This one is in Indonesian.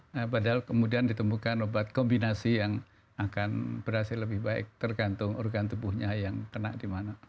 nah padahal kemudian ditemukan obat kombinasi yang akan berhasil lebih baik tergantung organ tubuhnya yang kena di mana